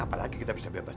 gak apa lagi kita bisa bebas